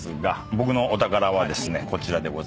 僕のお宝はですねこちらでございます。